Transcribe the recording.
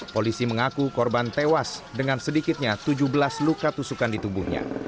polisi mengaku korban tewas dengan sedikitnya tujuh belas luka tusukan di tubuhnya